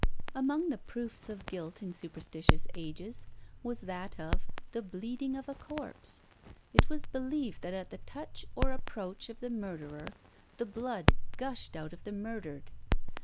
Among the proofs of guilt in superstitious ages was that of the bleeding of a corpse. It was believed, that at the touch or approach of the murderer the blood gushed out of the murdered.